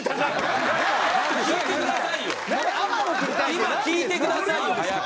今聞いてくださいよ早く。